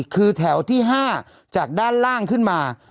คือแถวที่๕จากด้านล่างขึ้นมา